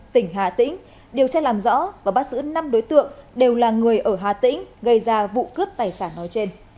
tỉnh hà tĩnh điều tra làm rõ và bắt giữ năm đối tượng đều là người ở hà tĩnh gây ra vụ cướp tài sản nói trên